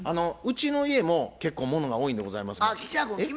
うちの家も結構ものが多いんでございますけれども。